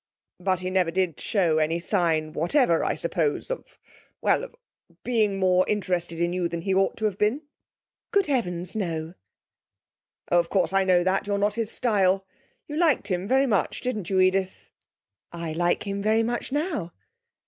'But he never did show any sign whatever, I suppose of well, of being more interested in you than he ought to have been?' 'Good heavens, no!' 'Oh, of course, I know that you're not his style. You liked him very much, didn't you, Edith?...' 'I like him very much now.'